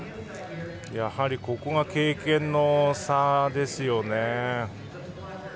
やはりここが経験の差ですよね。